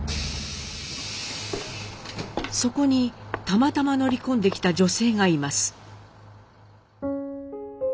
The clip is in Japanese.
そこにたまたま乗り込んできた女性がいます。